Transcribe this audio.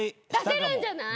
出せるんじゃない？